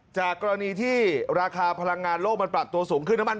จากกรณีที่ราคาพลังงานโลกมันปรับตัวสูงขึ้นน้ำมัน